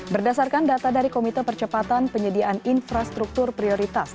berdasarkan data dari komite percepatan penyediaan infrastruktur prioritas